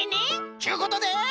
ちゅうことで。